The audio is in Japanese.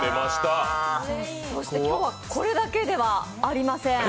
今日は、これだけではありません。